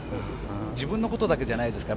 自分のことだけじゃないですから。